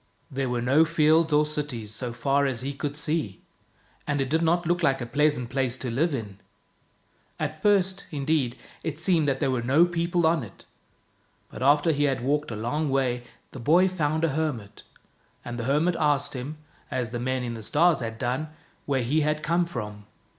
There weie no fields or cities, so far as he could see, and it did not look like a pleasant place to live in. At first, indeed, it seemed that there were no people on it, but after he had walked a long way the boy found a hermit, and the hermit asked him — as the men in the stars had done — where he had come from.